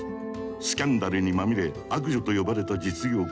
スキャンダルにまみれ「悪女」と呼ばれた実業家